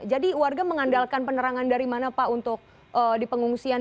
jadi warga mengandalkan penerangan dari mana pak untuk dipengungsian